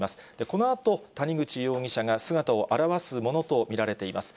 このあと、谷口容疑者が姿を現すものと見られています。